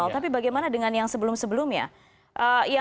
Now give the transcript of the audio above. tapi bagaimana dengan yang sebelum sebelumnya